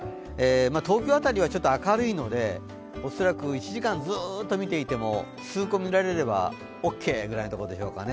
東京辺りは明るいので１時間ずーっと見ていても数個見られればオーケーぐらいのところでしょうかね。